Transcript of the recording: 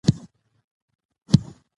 افغانان د هند تر سمندر پورې رسیدلي وو.